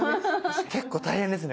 結構大変ですねこれ。